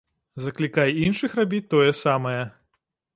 Заклікай іншых рабіць тое самае.